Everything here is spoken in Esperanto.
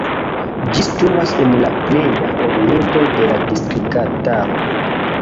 Ĝi situas en la pleja oriento de la distriktaro.